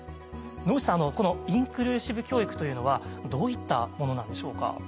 野口さんこのインクルーシブ教育というのはどういったものなんでしょうか？